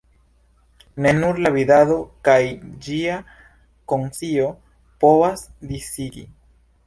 Ne nur la vidado kaj ĝia konscio povas disigi.